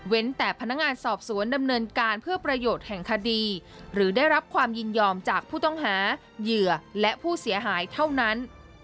แต่พนักงานสอบสวนดำเนินการเพื่อประโยชน์แห่งคดีหรือได้รับความยินยอมจากผู้ต้องหาเหยื่อและผู้เสียหายเท่านั้น